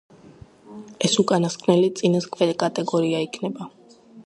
ეს უკანასკნელი წინას ქვეკატეგორია იქნება.